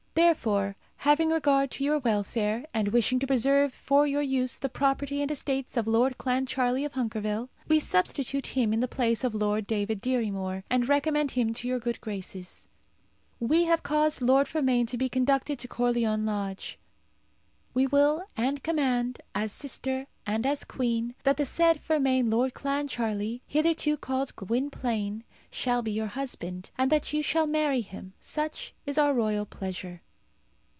Therefore, having regard to your welfare, and wishing to preserve for your use the property and estates of Lord Clancharlie of Hunkerville, we substitute him in the place of Lord David Dirry Moir, and recommend him to your good graces. We have caused Lord Fermain to be conducted to Corleone Lodge. We will and command, as sister and as Queen, that the said Fermain Lord Clancharlie, hitherto called Gwynplaine, shall be your husband, and that you shall marry him. Such is our royal pleasure."